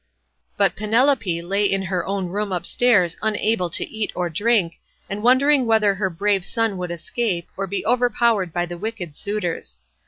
But Penelope lay in her own room upstairs unable to eat or drink, and wondering whether her brave son would escape, or be overpowered by the wicked suitors.